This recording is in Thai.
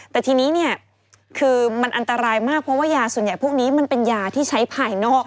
แต่ทีนี้เนี่ยคือมันอันตรายมากเพราะว่ายาส่วนใหญ่พวกนี้มันเป็นยาที่ใช้ภายนอก